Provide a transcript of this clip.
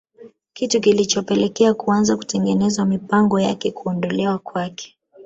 Kitu kilichopelekea kuanza kutengenezwa mipango ya kuondolewa kwake